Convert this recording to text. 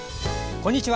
こんにちは。